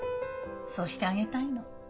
そうしてあげたいの。